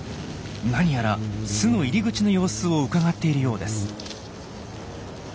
何やら巣の入り口の様子をうかがっているようです。